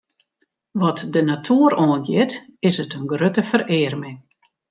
Wat de natoer oangiet, is it in grutte ferearming.